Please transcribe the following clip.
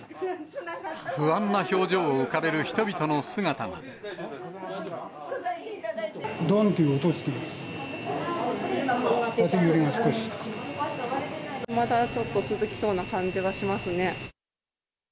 不安な表情を浮かべる人々のどんっていう音がして、まだちょっと続きそうな感じがしますね。